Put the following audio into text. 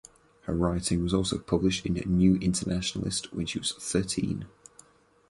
Her writing was also published in "New Internationalist" when she was thirteen.